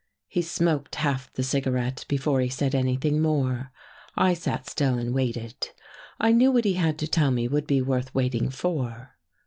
He smoked half the cigarette before he said any thing more. I sat still and waited. I knew what he had to tell me would be worth waiting for.